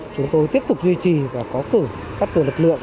chúng tôi tiếp tục duy trì và có cử các cử lực lượng